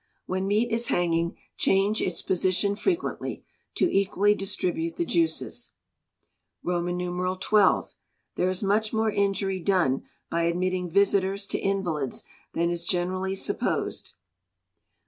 When meat is hanging, change its position frequently, to equally distribute the juices. xii. There is much more injury done by admitting visitors to invalids than is generally supposed.